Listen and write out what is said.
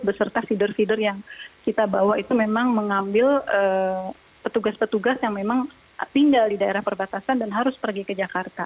beserta feeder feeder yang kita bawa itu memang mengambil petugas petugas yang memang tinggal di daerah perbatasan dan harus pergi ke jakarta